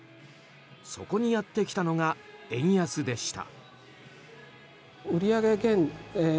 そこにやってきたのが円安でした。